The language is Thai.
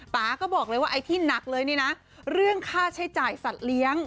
ป่าก็บอกเลยว่าไอ้ที่หนักเลยนี่นะเรื่องค่าใช้จ่ายสัตว์เลี้ยง